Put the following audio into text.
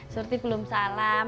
surti belum salam